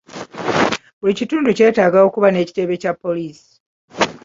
Buli kitundu kyetaaga okuba n'ekitebe Kya poliisi.